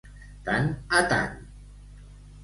Tant a tant.